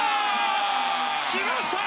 きました！